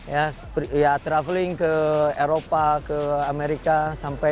ya traveling ke eropa ke amerika sampai